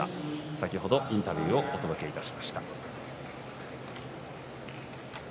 先ほどインタビューをお届けしました。